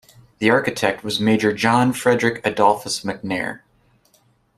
The architect was Major John Frederick Adolphus McNair.